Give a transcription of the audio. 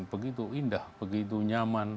begitu indah begitu nyaman